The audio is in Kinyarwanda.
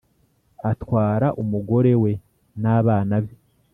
atwara umugore we n'abana be